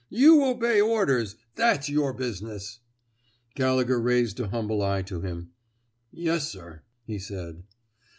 You obey orders — that's your business." Gallegher raised a humble eye to him. *' Yes, sir," he said.